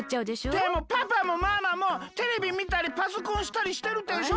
でもパパもママもテレビみたりパソコンしたりしてるでしょ？